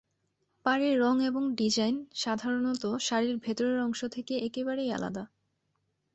পারের রঙ এবং ডিজাইন সাধারণত শাড়ির ভিতরের অংশ থেকে একেবারেই আলাদা।